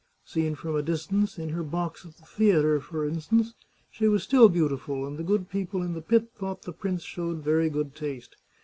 Seen from a distance, in her box at the theatre, for instance, she was still beautiful, and the good people in the pit thought the prince showed very good taste.